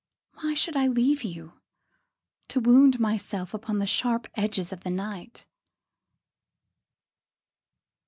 Why should I leave you, To wound myself upon the sharp edges of the night?